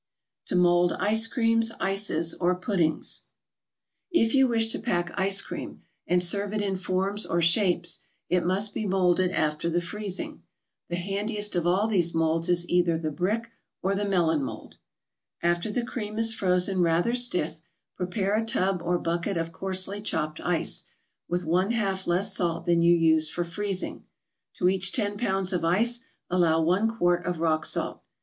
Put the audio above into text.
TO MOLD ICE CREAMS, ICES OR PUDDINGS If you wish to pack ice cream and serve it in forms or shapes, it must be molded after the freezing. The handiest of all of these molds is either the brick or the melon mold. After the cream is frozen rather stiff, prepare a tub or bucket of coarsely chopped ice, with one half less salt than you use for freezing. To each ten pounds of ice allow one quart of rock salt.